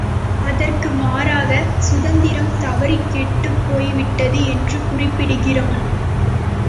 அதற்கு மாறாக, சுதந்திரம் தவறிக் கெட்டுப் போய்விட்டது என்று குறிப்பிடுகிறான்.